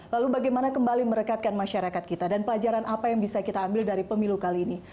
lalu bagaimana kembali merekatkan masyarakat kita dan pelajaran apa yang bisa kita ambil dari pemilu kali ini